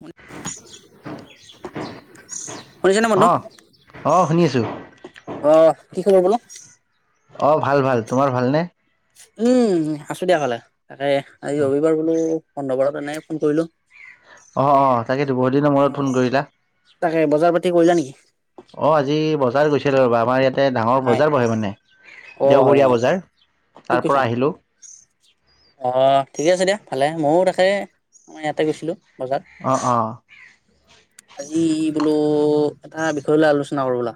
উ [unintelligible] শুনিছনে নে বন্ধু অ', অ', শুনি আছোঁ। আহ' কি খবৰ নো? অ' ভাল ভাল তোমাৰ ভাল নে? উম' আছো দিয়া ভালে। তাকে আজি অ', ৰবিবাৰ বোলো, বন্ধ‌ বাৰ কাৰণে ফোন কৰিলোঁ। অ' অ' তাকেতো বহুত দিনৰ মূৰত ফোন কৰিলা। তাকে বজাৰ পাতি কৰিলা নেকি? অ' আজি বজাৰ গৈছিলো ৰবা আমাৰ ইয়াত তে ডাঙৰ হয়, বজাৰ বহে মানে, অ' হয় দেওবৰীয়া হয়, বজাৰ, ঠিক কৈছা। তাৰপৰা আহিলোঁ। অ', ঠিকে আছে দিয়া ভালে ময়ো তাকে মই ইয়াতে গৈছিলো বজাৰত অ', অ', আজি বোলো এটা বিষয় লৈ আলোচনা কৰো ব'লা।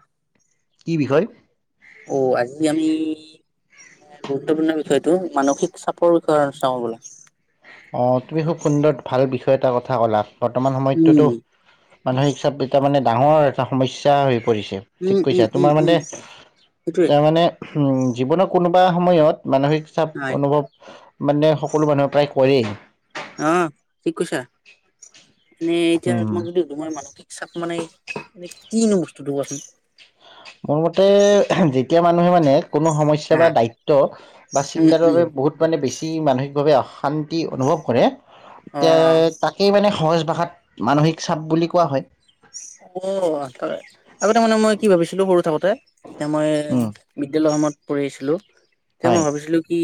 কি বিষয়? অ', আজি আমি- গুৰুত্বপূৰ্ণ বিষয়টো মানসিক চাপৰ বিষয়ে চাওঁ ব'লা। অ', তুমি খুব সুন্দৰ ভাল বিষয় এটা কথা ক'লা, বৰ্তমান সময়তটো উম, তো- মানসিক চাপ এটা মানে ডাঙৰ এটা সমস্যা হৈ পৰিছে। ঠিক উম, কৈছা। উম, উম, তোমাৰ মানে উম, সেইটোৱে তাৰমানে- উম' জীৱনৰ কোনোবা সময়ত মানসিক চাপ হয়, অনুভৱ মানে সকলো মানুহে প্ৰায়- পৰেই। অঁ', ঠিক কৈছা। মানে এতিয়া উম, তুমাক যদি- তোমাৰ মানসিক চাপ মানেই মানে কিনো বস্তুটো কোৱাচোন? মোৰ মতে - সেই মানুহে মানে কোনো সমস্যা হা বা দায়িত্ব বা উম চিন্তাৰ উম বাবে বহুত- মানে বেছি মানসিক ভাৱে অশান্তি অনুভৱ কৰে অ এতিয়া তাক- সেই মানে সহজ ভাষাত মানসিক চাপ বুলি কোৱা হয়। অ', আগতে মানে মই কি ভাবিছিলো সৰু থাকো- তে মই উম বিদ্যালয়ৰ সময়ত পঢ়ি আহিছিলো তেতিয়া মই হয় ভাবিছিলো- কি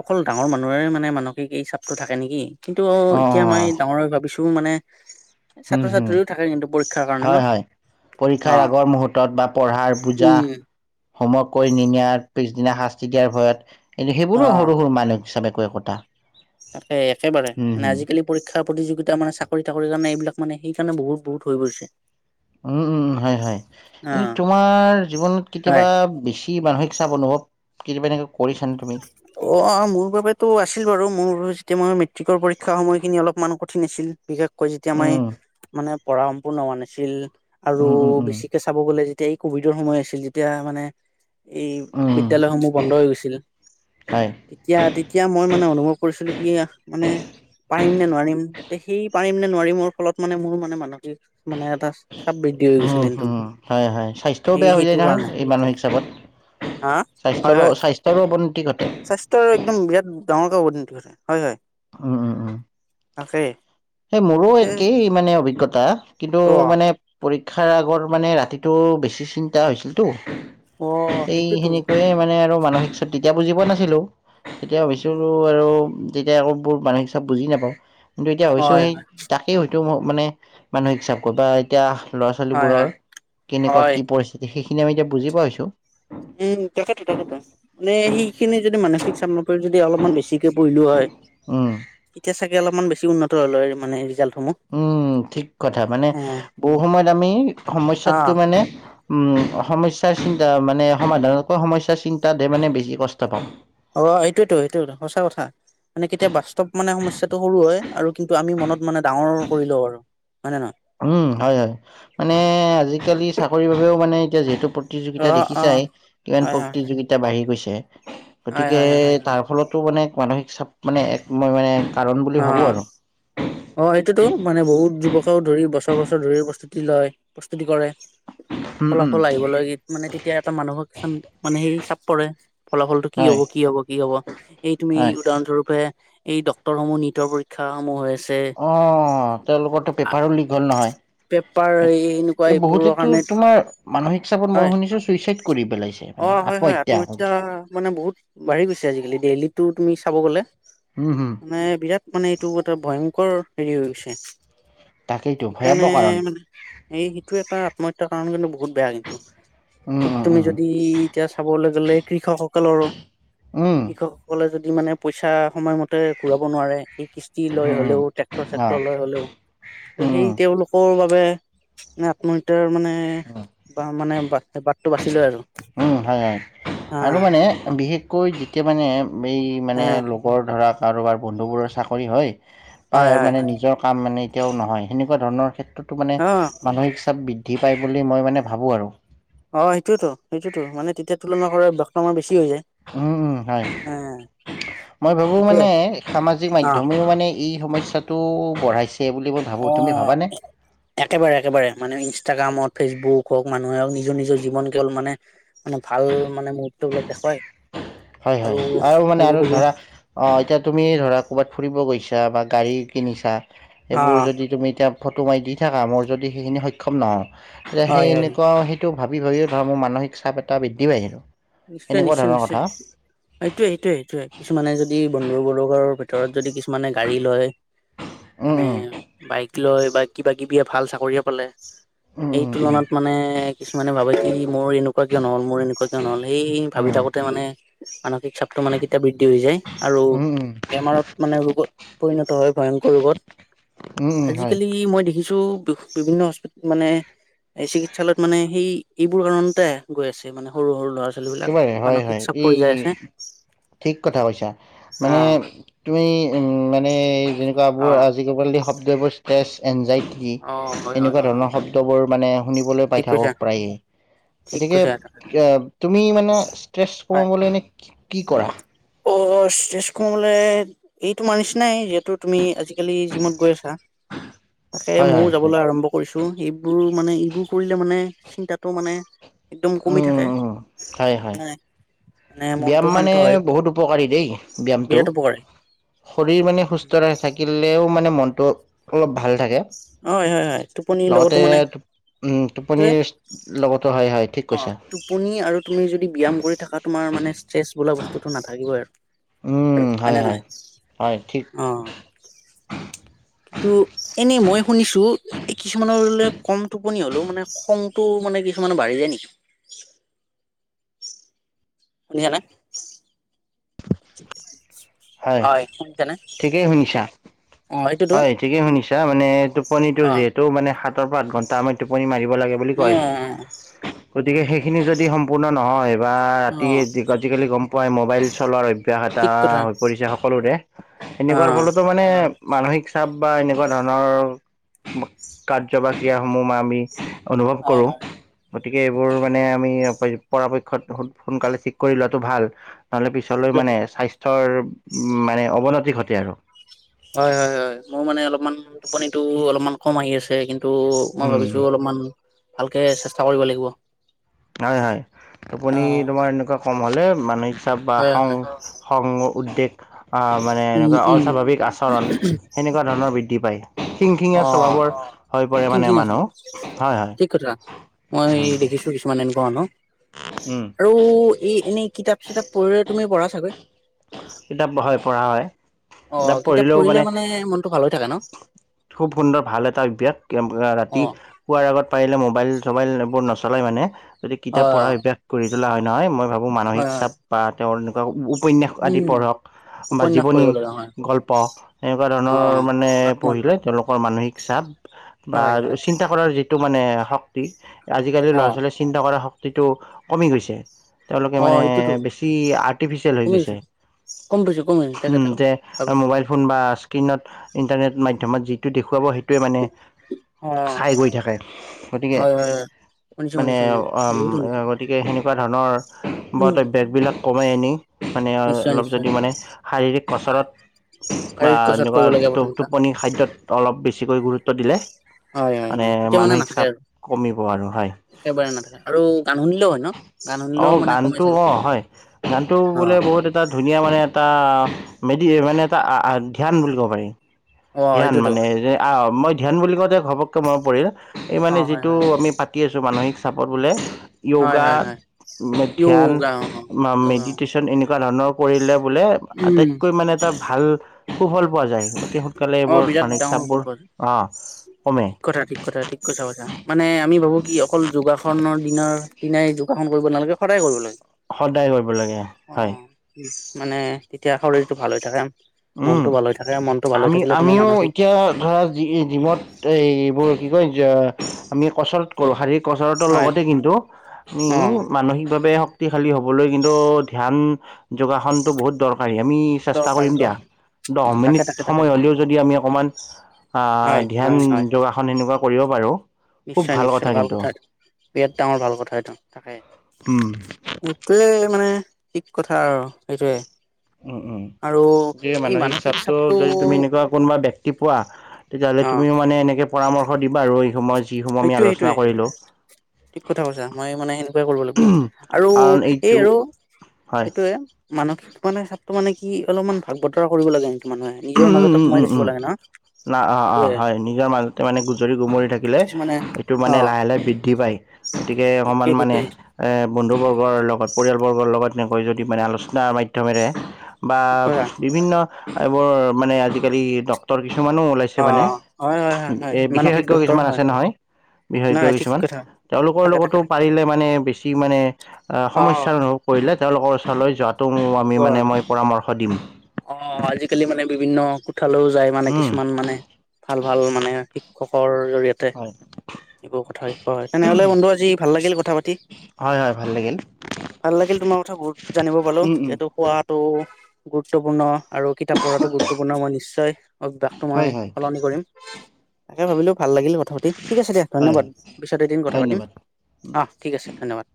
অকল ডাঙৰ মানুহৰে মানে মানসিক এই চাপটো থাকে নেকি। কিন্তু অ এতিয়া মই ডাঙৰ ভাবিছো মানে ছাত্ৰ-ছাত্ৰীও থাকে কিন্তু। পৰীক্ষাৰ কাৰণে ন হয়-হয়, অ পৰীক্ষাৰ আগৰ মুহূৰ্তত বা পঢ়াৰ বুজা- উম হোমৱৰ্ক কৰি নিমিয়াৰ পিছদিনা শাস্তি দিয়াৰ ভয়ত- এ' অ সেইবোৰো সৰু-সৰু মানসিক চাপ একো-একোটা। তাকে, একেবাৰে মানে আজিকালি- পৰীক্ষা প্ৰতিযোগিতা মানে চাকৰি-তাকৰি কাৰণে এইবিলাক মানে সেইকাৰণে বহুত পৰিছে। উমঁ-উমঁ, হয়-হয়। অ এনেই তোমাৰ জীৱনত হয় কেতিয়াবা বেছি- কি মানসিক চাপ অনুভৱ কেতিয়াবা এনেকুৱা কৰিছানে তুমি? অ', মোৰ বাবেতো আছিল বাৰু মোৰ যেতিয়া মই মেট্ৰিকৰ পৰীক্ষা সময়খিনি অলপমান- কঠিন আছিল, বিশেষকৈ যেতিয়া মই উম, মানে পঢ়া সম্পূৰ্ণ হোৱা নাছিল আৰু উম, উম, উম, বেছি- কে চাব গ'লে যেতিয়া এই কভিডৰ সময় আছিল তেতিয়া মানে- এই উম, বিদ্যালয়সমূহ বন্ধ হৈ গৈছিল। হয়। তেতিয়া-তেতিয়া মই মানে অনুভৱ কৰিছিলো কি মানে- পাৰিম নে নোৱাৰিম, তে সেই পাৰিম নে নোৱাৰিমৰ ফলত মানে মোৰ মানে মানসিক মানে এটা চাপ বৃদ্ধি হৈ গৈছিল কিন্তু উম-হুম, হয়-হয়। স্বাস্থ্যও সেই বেয়া হৈ যায় নহয় এই মানসিক চাপত। হাঁ? হয়-হয়। তাৰো অৱনতি ঘটে। স্বাস্থ্যৰ একদম বিৰাট ডাঙৰ কৈ অৱনতি ঘটে, হয়-হয়। উম-উম-উম। তাকে। সেই মোৰো সেইটোৱে মানে অভিজ্ঞতা, কিন্তু অ'। মানে- পৰীক্ষাৰ আগৰ মানে ৰাতিটো বেছি চিন্তা হৈছিলতো- অ এই সেইটোতো সেনেকৈয়ে মানে মানসিক চাপ তেতিয়া বুজি পোৱা নাছিলো। তেতিয়া ভাবিছো আৰু তেতিয়া আকৌ বোৰ মানসিক চাপ বুজি নাপাওঁ কিন্তু এতিয়া- ত' হয় সেই তাকেই হয়তো মানে মানসিক চাপ কয় বা- এতিয়া হয় ল'ৰা-ছোৱালীবোৰৰ হয় কেনেকুৱা হয় কি পৰিস্থিতি সেইখিনি আমি এতিয়া বুজি পোৱা হৈছো। উম, তাকেটো তাকেটো নে সেইখিনি যদি মানসিক চাপ [unintelligible] অলপমান বেছিকে [unintelligible] হয়। উম। তেতিয়া চাগে অলপমান বেছি উন্নত হ'ল হয় মানে ৰিজাল্টসমূহ। উম ঠিক কথা মানে অ বহু সময়ত আমি সমস্যাত কৈ মানে উম সমস্যাৰ চিন্তা মানে সমাধানতকৈ সমস্যাৰ চিন্তাতহে মানে বেছি কষ্ট পাওঁ। অ এইটোয়েতো [unintelligible] সঁচা কথা। মানে কেতিয়া বাস্তৱ মানে সমস্যাটো সৰু হয় আৰু কিন্তু আমি মনত মানে ডাঙৰ কৰি লওঁ আৰু। হয় নে নহয়? উম, হয়, হয়। মানে আজিকালি চাকৰিৰ বাবেও মানে এতিয়া যিহেতু অ প্ৰতিযোগিতা অ দেখিছাই। কিমান হয় হয় প্ৰতিযোগি এতিয়া বাঢ়ি গৈছে হয় গতিকে হয় হয় হয় হয় তাৰ ফলতো মানে মানসিক চাপ মানে এক মই মানে কাৰণ বুলি অ ভাবোঁ আৰু। অ সেইটোতো মানে বহুত যুৱক ধৰি বছৰ বছৰ ধৰি প্ৰস্তুতি লয় প্ৰস্তুতি কৰে উম, উম। ফলাফল আহিবলৈ মানে তেতিয়া এটা মানুহক [unintelligible] মানে সেই চাপ পৰে ফলাফলটো কি হয়, হ'ব, কি হ'ব কি হ'ব? হয়। [unintelligible] উদাহৰণস্বৰূপে এই ডক্টৰ সমূহ নীটৰ পৰীক্ষা সমূহ হৈ আ অ তেওঁলোকৰটো পেপাৰো লিক হ'ল নহয়? পেপাৰ এই এনেকুৱা এই এইবোৰৰ বহুতেতো কাৰণে তোমাৰ মানসিক চাপত মই হয় শুনিছোঁ চুইচাইড কৰি পেলাইছে। অ মানে হয়, হয় আত্মহত্যা কৰিছে। মানে বহুত বাঢ়ি গৈছে আজিকালি ডেইলিতো তুমি চাব গ'লে। হুম, হুম। মানে বিৰাট মানে এইটো এটা ভয়ংকৰ হেৰি হৈ গৈছে। তাকেইতো সেইকাৰণে ভয়াৱহ কাৰণ মানে এই সেইটোও এটা আত্মহত্যাৰ কাৰণ কিন্তু বহুত বেয়া কিন্তু উম ঠিক তুমি উম যদি [unintelligible] এতিয়া চাবলৈ গ'লে কৃষকসকলৰো উম কৃষক সকলে যদি মানে পইচা সময়মতে ঘূৰাব নোৱাৰে এই কিষ্টি [unintelligible] লৈ উম উম উম হ'লেও ট্ৰেক্টৰ অ চেক্টৰ লৈ হ'লেও ত' সেই উম তেওঁলোক [unintelligible] বাবে আত্মহত্যাৰ মানে উম উম বা মানে- বা ট - বাটটো বাচি লয় আৰু। উম, হয় হয় হা আৰু মানে বিশেষকৈ যেতিয়া মানে এই হ মানে লগৰ ধৰা কাৰোবাৰ বন্ধুবোৰৰ চাকৰি হয় পায় হয় আৰু হয় মানে হয় নিজক কাম মানে এতিয়াও নহয় সেনেকুৱা ধৰণৰ ক্ষেত্ৰতো মানে অ মানসিক চাপ বৃদ্ধি পায় বুলি মই মানে ভাবোঁ আৰু। অ সেইটোৱেইটো সেইটোতো মানে তেতিয়া তুলনা কৰাৰ [unintelligible] আমাৰ বেছি হৈ যায়। উম, উম হয়। হ মই ভাবো সেইটোয়ে মানে সামাজিক অ মাধ্যমেও মানে এই সমস্যাটো বঢ়াইছে বুলি মই ভাবোঁ তুমি অ'। ভাবানে? একেবাৰে একেবাৰে মানে ইনষ্টাগ্ৰাম হওঁক ফেচবুক হওঁক মানুহে নিজৰ নিজৰ জীৱন কেৱল মানে [unintelligible] ভাল মানে মূৰ্হত বলাক দেখুৱায়। হয়, হয় আৰু মানে আৰু ধৰা। অ এতিয়া তুমি ধৰা ক'ৰবাত ফুৰিব গৈছা বা গাড়ী কিনিছা অ এইবোৰ যদি তুমি এতিয়া ফটো মাৰি দি থাকা মোৰ যদি সেইখিনি সক্ষম নহওঁ তেতিয়া হয় সেই হয় এনেকুৱাওেই [unintelligible] ভাবি ভাবি ধৰা মোৰ মানসিক চাপ এটা বৃদ্ধি [unintelligible] নিশ্চয়, এনেকুৱা নিশ্চয়, ধৰণৰ নিশ্চয়। কথা এইটোয়ে এইটোয়ে এইটোয়ে কিছুমানে যদি বন্ধু বৰ্গৰ ভিতৰত যদি কি মানে গাড়ী লয় মানে উম বাইক লয় বা কিবা কিবিয়ে ভাল চাকৰিয়ে পালে উম এই উম তুলনাত মানে কিছুমানে ভাবে কি মোৰ এনেকুৱা কিয় নহ'ল মোৰ এনেকুৱা কিয় নহ'ল এই ভাবি উম থাকোতে মানে মানসিক চাপটো মানে কেতিয়া বৃদ্ধি হৈ যায় আৰু উম উম উম উম উম বেমাৰত মানে ৰোগত পৰিণত হয় ভয়ংকৰ ৰোগত উম উম হয় আজিকালি মই দেখিছো ছু বিভিন্ন হস্পিতে মানে ছু এই চিকিৎসালয়ত মানে সেই এইবোৰ কাৰণতে গৈ আছে মানে সৰু সৰু ল'ৰা ছোৱালী বিলাক একেবাৰে হয় মানসিক হয় চাপ এই পৰি যাই আছে ঠিক কথা কৈছা অ মানে তুমি উম মানে যেনেকুৱা বোৰ অ আজিকাল শব্দ এইবোৰ ষ্ট্ৰেছ এনজাইটি টি অ হয় হয় এনেকুৱা হয় ধৰণৰ হয় শব্দ শব্দবোৰ মানে শুনিবলৈ পাই ঠিক থাকো কৈছা প্ৰায়ে ঠিক গতিকে কৈছা এ তুমি মানে ষ্ট্ৰেছ হয় কমাবলৈ এনে কি কি কৰা? অ ষ্টেছ কমাবলে এইটো মানিছ নাই যিহেতু তুমি আজিকালি জিমত গৈ আছা তাকে হয় হয় ময়ও হয় যাবলৈ আৰম্ভ কৰিছো এইবোৰ মানে এইবোৰ কৰিলে মানে চিন্তাটো মানে একদম কমি উম থাকে উম নাই। মানে মনটো ব্যিয়াম শান্ত মানে হয় বহুত উপকাৰী দেই ব্যিয়ামটো। বিৰাট উপকাৰী শৰীৰ মানে সুস্থ থাকিলেও মানে মনটো অলপ ভাল থাকে হয় হয় হয় টোপনিৰ লগতে লগতো মানে উম সেইটোৱে টোপনিৰ লগতো হাই হাই। অ টোপনি আৰু তুমি যদি ব্যায়াম কৰি থাকা তোমাৰ মানে ষ্ট্ৰেছ বোলা বস্তুটো নাথাকিবই আৰু। হয় নে হয়, ঠিক নহয় অ। কিন্তু এনেই মই শুনিছোঁ। এই কিছুমানৰ কম টোপনি হলেও মানে খংটো মানে কিছুমানৰ বাঢ়ি যায় নেকি? শুনিহানে হয়। বাই [inaudible] শুনিছা নে। ঠিকেই শুনিছা। হয় ঠিকেই শুনিছা মানে টোপনিটো অ যিহেতু মানে সাতৰ পৰা আঠ ঘণ্টা আয় টোপনি মাৰিব লাগে বুলি কয়। [inaudible] হয় থিকেই শুনিছা মানে টোপনিটো যিহেতু মানে সাতৰ পৰা আঠ ঘণ্টা আয় টোপনি মাৰিব লাগে বুলি উ কয়। [inaudible] [inaudible] অহ [inaudible] গতিকে সেইখিনি যদি সম্পূৰ্ণ নহয়। বা ৰাতি অ আজিকালি গম পোৱাই মোবাইল চলোৱাৰ অভ্যাস এটা ঠিক কথা হৈ পৰিছে সকলোৰে। অ এনেকুৱাৰ ফলতো মানে। মানসিক চাপ বা এনেকুৱা ধৰণৰ কাৰ্য বা ক্ৰীয়াসমূহ আমি। অনুভৱ হয় কৰো। গতিকে এইবোৰ মানে আমি পৰাপক্ষত সোনকালে ঠিক কৰি লোৱাটো ভাল। নহ'লে পিছলৈ মানে স্বাস্থ্যৰ মানে অৱনতি ঘটে আৰু। হয় হয় হয় মোৰ মানে অলপমান টোপনিটো অলপমান কম আহি আছে কিন্তু। তো মই উম, ভাবিছোঁ অলপমান ভালকৈ চেষ্টা কৰিব লাগিব। হয় হয় টোপনি তোমাৰ এনেকুৱা কম হ'লে মানসিক চাপ বা হয় খং হয় খং উদ্বেগ। আহ মানে উম এনেকুৱা উম অস্বাভাৱিক আচৰণ সেনেকুৱা ধৰণৰ বৃদ্ধি পায় শিং অ শিঙীয়া স্বভাৱৰ। হৈ পৰে মানে থিংকিং আছে মানুহ হয় হয়। ঠিক কথা মই উম দেখিছো কিছুমান এনেকুৱা মানুহ। উম। আৰু এই এনেই কিতাপ চিতাপ পঢ়িলে তুমি পঢ়া চাগৈ। কিতাপ হয় পঢ়া হয়। অ্' কিতাপ পঢ়িলে মানে মনটো ভাল হৈ থাকে ন'? খুব সুন্দৰ ভাল এটা অভ্যাস, অ ৰাতি শুৱাৰ আগত পাৰিলে মোবাইল-চবাইল এবোৰ নচলাই মানে যদি অ কিতাপ পঢ়া অভ্যাস কৰি তোলা হয় নহয় মই ভাবোঁ মানসিক হয় হয় চাপ বা তেওঁৰ এনেকুৱা উপন্যাস আদি উম পঢ়ক। বা উপন্যাস জীৱনী, পঢ়িব লগা হয় গল্প এনেকুৱা অ ধৰণৰ মানে আত্ম পঢ়িলে তেওঁলোকৰ মানসিক চাপ, বা হয় হয় চিন্তা কৰাৰ যিটো মানে শক্তি আজি-কালি অ ল'ৰা-ছোৱালীয়ে চিন্তা কৰা শক্তিটো কমি গৈছে। তেওঁলোকে অ মানে সেইটোতো বেছি আৰ্টিফিচিয়েল হৈ গৈছে। কম পাইছো কমি তাকে উম' তাকে এতিয়া এ ভাবিছো মোবাইল ফোন বা স্ক্ৰীণত ইণ্টাৰনেট মাধ্যমত যিটো দেখুৱাব সেইটোৱে মানে অ চাই গৈ থাকে, গতিকে হয় হয় হয় শুনিছো মানে শুনিছো মই বহুত শুনিছো উম্ গতিকে সেনেকুৱা ধৰণৰ বত উম অভ্যাসবিলাক কমাই আনি মানে নিশ্চয় অলপ নিশ্চয় যদি মানে শাৰীৰিক কচৰত বা শাৰীৰিক কচৰৎ এনেকুৱা কৰিব লাগে প্ৰথম কথা টো-টোপনি, খাদ্যত অলপ বেছিকৈ গুৰুত্ব দিলে হয় হয় মানে হয় তেতিয়া মানসিক নাথাকে চাপ আৰু কমিব আৰু হয়। একেবাৰে নাথাকে আৰু গান শুনিলেও হয় ন গান অঁ শুনিলেও মানে কমে গানটো চাগে অ হয়, গানটো অ বোলে অ বহুত এটা ধুনীয়া মানে এটা মেডি মানে এটা ধ্যান বুলি ক'ব পাৰি। ধ্যান সেইটোতো মানে যে আ্ মই ধ্যান বুলি ক‌ওতে ঘপককে মনত পৰিল এই অ মানে হয় যিটো হয় আমি পাত তি আছো মানসিক চাপত বোলে- হয় য়োগা, হয় হয় ধ্যান য়োগা অ য়োগা মেডিটেচন এনেকুৱা ধৰণৰ কৰিলে বোলে উম আটাইতকৈ মানে এটা ভাল সুফল পোৱা যায়, গতি শ অঁ বিৰাট ডাঙৰ সু-ফল পোৱা যায়। কমে ঠিক কথা ঠিক কথা ঠিক কথা কৈছা। মানে আমি ভাবো কি অকল যোগাসনৰ দিনৰ দিনাই যোগাসন কৰিব নালাগে সদায় কৰিব লাগে। সদায় কৰিব লাগে, অ অ হয়। মানে তেতিয়া শৰীৰটো ভাল হৈ থাকা, উম মনটো ভাল হৈ থাকে মনটো ভাল হৈ আমি থাকিলে মানে আমিও মানসিক এতিয়া ধৰা জি-জিমত এই এইবোৰ কি কয়- আমি কচৰত কৰো শাৰীৰিক কচৰটৰ হয় লগতে কিন্তু অ মানসিকভাৱে হওক শক্তিশালী হ'বলে কিন্তু ধ্যান, যোগাসনটো বহুত দৰকাৰী হ- আমি চেষ্টা দৰকাৰ কৰিম দিয়া, দৰকাৰ দহ তাকে তাকে মিনিট তাকে সময় হ'লেও যদি আমি অকণমান আ্ হয় ধ্যান, হয় হয় যোগাসন এনেকুৱা কৰিব পাৰো নিশ্চয়! নিশ্চয়! ভাল কথা। বিৰাট ডাঙৰ ভাল কথা এটো। তাকে উম' এইটোৱে মানে ঠিক কথা আৰু সেইটোৱে। উম উম, আৰু যে মানসিক চাপটো যদি তুমি এনেকুৱা কোনোবা ব্যক্তি পোৱা তেতিয়াহ'লে অ তুমিও মানে এনেকে পৰামৰ্শ দিবা আৰু এই সময়- যি সমূহ আমি সেইটোয়ে আলোচনা সেইটোয়ে কৰিলো। ঠিক কথা কৈছা মই মানে সেনেকুৱাই কৰিব লাগিব, আৰু কাৰণ এই এইটো আৰু হয় সেইটোয়ে, মানসিক মানে চাপটো মানে কি অলপমান ভাগ-বতৰা কৰিব লাগে। মানুহে নিজৰ উম মাজতে সোমাই উম থাকিব উম, লাগে ন না অঁ অঁ সেইটোয়ে হয় নিজৰ মাজত তে মানে গুজৰি-গুমৰি থাকিলে কিছুমানে এইটো অ মানে লাহে-লাহে বৃদ্ধি পায়, গতিকে অকমান ঠিকেই মানে ঠিকেই এ বন্ধু বৰ্গৰ লগত পৰিয়ালবৰ্গৰ লগত এনেকৈ যদি মানে আলোচনাৰ মাধ্যমেৰে বা ঠিক কথা বিভিন্ন এইবোৰ মানে আজি-কালি ডক্তৰ কিছুমানো ওলাইছ- অ ছে মানে, হয় হয় হয় হয় এ মানসিক বিশেষজ্ঞ ডক্তৰ কিছুমান হয় আছে নহয়, নাই বিশেষজ্ঞ ঠিক কিছুমান। কথা তেওঁলোকৰ থাকে থাকে লগতো থাকে পাৰিলে মানে বেছি মানে অ সমস্যা অনুস- পৰিলে তেওঁলোকৰ ওচৰলৈ যোৱাটো উম আমি মানে মই পৰামৰ্শ দিম। কালি মানে বিভিন্ন কোঠালৈও যায় মানে উম কিছুমান মানে ভাল ভাল মানে শিক্ষকৰ জৰিয় তে, হয় এইবোৰ কথা [unintelligible] হয় তেনেহ'লে বন্ধু আজি ভাল লাগিল কথা পাতি। হয় হয় ভাল লাগিল। ভাল লাগিল তোমাৰ কথা বহুত জানিব পালো। উম উম যিহেতু খোৱাটো গুৰুত্বপূৰ্ণ আৰু কিতাপ পঢ়াটো গুৰুত্বপূৰ্ণ মই নিশ্চয় অভ্যাসটো হয় মই হয় সলনি কৰিম। তাকে ভাবিলোঁ ভাল লাগিল কথা পাতি, ঠিক আছে দিয়া হয় ধন্যবাদ হয় পিছত এদিন কথা পাতিম। ধন্যবাদ অঁ ঠিক আছে ধন্যবাদ।